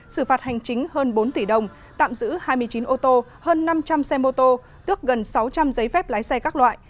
xử phạt hành chính hơn bốn tỷ đồng tạm giữ hai mươi chín ô tô hơn năm trăm linh xe mô tô tước gần sáu trăm linh giấy phép lái xe các loại